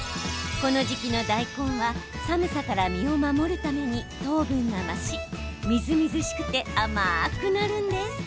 この時期の大根は、寒さから身を守るために糖分が増しみずみずしくて甘くなるんです。